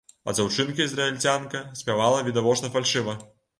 А дзяўчынка-ізраільцянка спявала відавочна фальшыва.